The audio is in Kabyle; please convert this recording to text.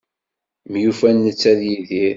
Myufan netta d Yidir.